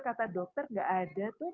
kata dokter gak ada tuh